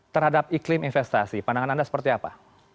terhadap iklim investasi pandangan anda seperti apa